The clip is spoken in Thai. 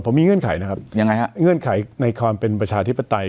ผมมีเงื่อนไขนะครับยังไงฮะเงื่อนไขในความเป็นประชาธิปไตย